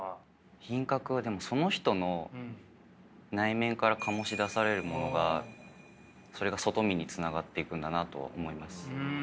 品格はでもその人の内面から醸し出されるものがそれが外身につながっていくんだなと思います。